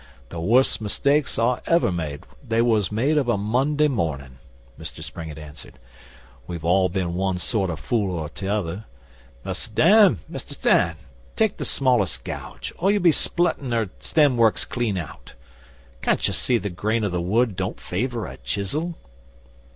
The worst mistakes I ever made they was made of a Monday morning,' Mr Springett answered. 'We've all been one sort of fool or t'other. Mus' Dan, Mus' Dan, take the smallest gouge, or you'll be spluttin' her stem works clean out. Can't ye see the grain of the wood don't favour a chisel?